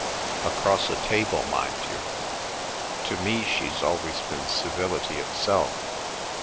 across a table, mind you. To me she's always been civility itself.